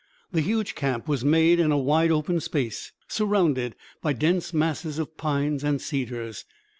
The huge camp was made in a wide open space, surrounded by dense masses of pines and cedars.